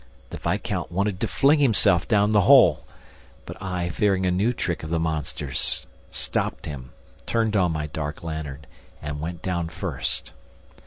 The viscount wanted to fling himself down the hole; but I, fearing a new trick of the monster's, stopped him, turned on my dark lantern and went down first.